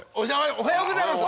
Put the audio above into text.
おはようございます！